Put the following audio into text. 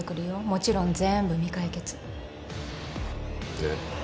もちろん全部未解決で？